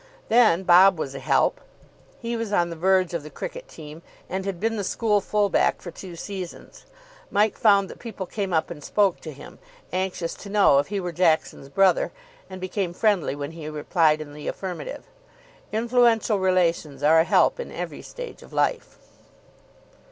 Then Bob was a help. He was on the verge of the cricket team and had been the school full back for two seasons. Mike found that people came up and spoke to him, anxious to know if he were Jackson's brother; and became friendly when he replied in the affirmative. Influential relations are a help in every stage of life.